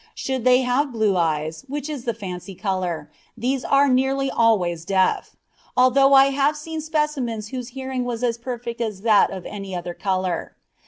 Should they have blue eyes, which is the fancy colour, these are nearly always deaf; although I have seen specimens whose hearing was as perfect as that of any other colour.